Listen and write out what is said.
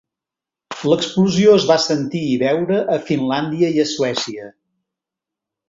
L'explosió es va sentir i veure a Finlàndia i a Suècia.